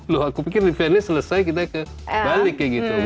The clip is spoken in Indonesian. loh aku pikir di venice selesai kita balik kayak gitu